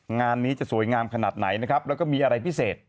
งานนี้จะสวยงามขนาดไหนนะครับแล้วก็มีอะไรพิเศษ